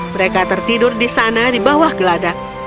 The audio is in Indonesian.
mereka tertidur di sana di bawah geladak